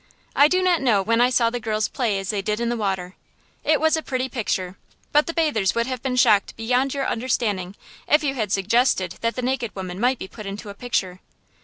I do not know when I saw the girls play as they did in the water. It was a pretty picture, but the bathers would have been shocked beyond your understanding if you had suggested that naked women might be put into a picture.